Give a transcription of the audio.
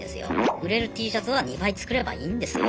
売れるＴシャツは２倍作ればいいんですよ。